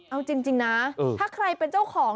เอาจริงนะถ้าใครเป็นเจ้าของ